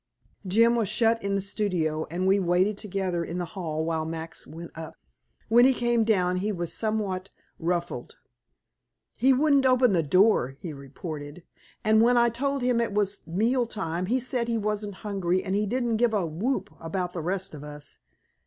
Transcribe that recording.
Jim was shut in the studio, and we waited together in the hall while Max went up. When he came down he was somewhat ruffled. "He wouldn't open the door," he reported, "and when I told him it was meal time, he said he wasn't hungry, and he didn't give a whoop about the rest of us.